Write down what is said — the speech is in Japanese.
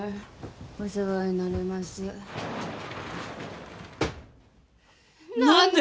お世話になります何で！？